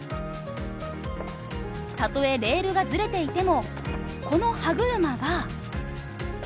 たとえレールがズレていてもこの歯車が。